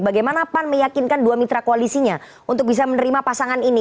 bagaimana pan meyakinkan dua mitra koalisinya untuk bisa menerima pasangan ini